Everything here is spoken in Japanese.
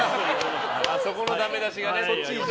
そこのダメ出しがね。